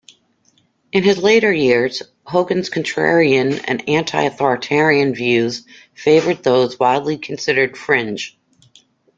In his later years, Hogan's contrarian and anti-authoritarian views favored those widely considered "fringe".